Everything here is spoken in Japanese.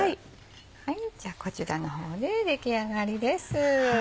じゃあこちらの方で出来上がりです。